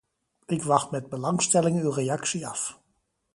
Ik wacht met belangstelling uw reactie af.